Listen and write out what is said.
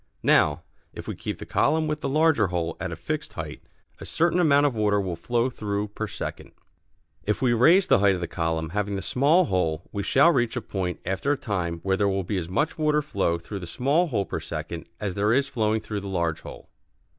Now, if we keep the column with the larger hole at a fixed height a certain amount of water will flow through per second. If we raise the height of the column having the small hole we shall reach a point after a time when there will be as much water flow through the small hole per second as there is flowing through the large hole.